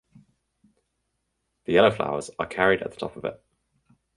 The yellow flowers are carried at the top of it.